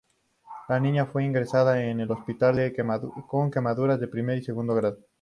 La niña fue ingresada en el hospital con quemaduras de primer y segundo grado.